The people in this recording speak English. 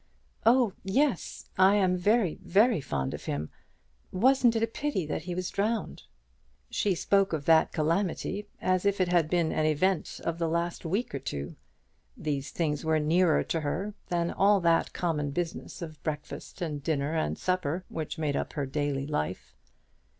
"Oh yes, I am very, very fond of him. Wasn't it a pity that he was drowned?" She spoke of that calamity as if it had been an event of the last week or two. These things were nearer to her than all that common business of breakfast and dinner and supper which made up her daily life.